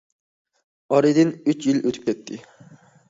ئارىدىن ئۈچ يىل ئۆتۈپ كەتتى.